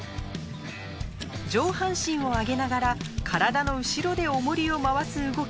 上半身を上げながら体の後ろで重い重りを回す動き